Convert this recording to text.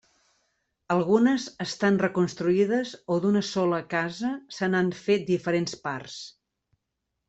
Algunes estan reconstruïdes o d'una sola casa se n'han fet diferents parts.